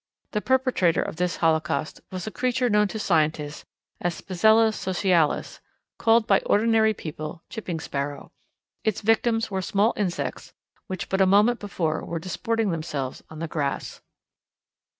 The perpetrator of this holocaust was a creature known to scientists as Spizella socialis called by ordinary people Chipping Sparrow. Its victims were small insects which but a moment before were disporting themselves on the grass.